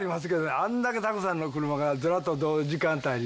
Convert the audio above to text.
あれだけたくさんの車がずらっと同時間帯に。